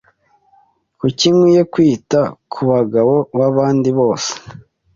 Kuki nkwiye kwita kubagabo babandi bose